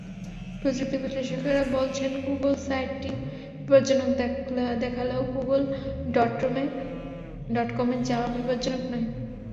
প্রযুক্তি বিশ্লেষকেরা বলছেন, গুগল সাইটটি বিপজ্জনক দেখালেও গুগল ডটকমে যাওয়া বিপজ্জনক নয়।